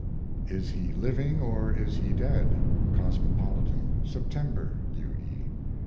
IS HE LIVING OR IS HE DEAD? Cosmopolitan, September. U. E.